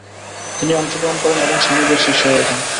তিনি অংশগ্রহণ করেন এবং স্বামীজির শিষ্যা হয়ে যান।